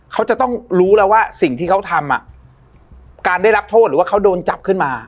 เขาจะต้องรู้แล้วว่าสิ่งที่เขาทำการได้รับโทษหรือว่าเขาโดนจับขึ้นมา